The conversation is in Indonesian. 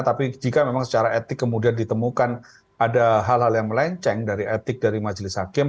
tapi jika memang secara etik kemudian ditemukan ada hal hal yang melenceng dari etik dari majelis hakim